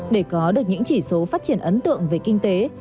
để có được những chỉ số phát triển ấn tượng về kinh tế